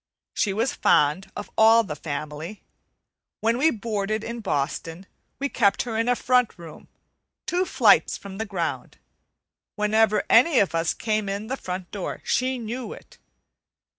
She was fond of all the family. When we boarded in Boston, we kept her in a front room, two flights from the ground. Whenever any of us came in the front door, she knew it.